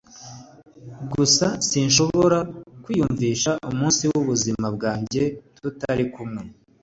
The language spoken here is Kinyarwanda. gusa sinshobora kwiyumvisha umunsi w'ubuzima bwanjye tutari kumwe ...